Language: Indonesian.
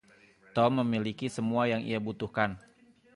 Tom memiliki semua yang ia butuhkan.